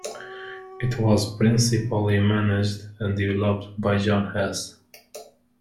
It was principally managed and developed by Jon Hess.